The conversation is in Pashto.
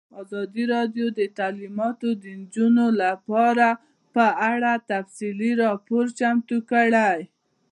ازادي راډیو د تعلیمات د نجونو لپاره په اړه تفصیلي راپور چمتو کړی.